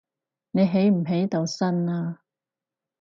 你起唔起到身呀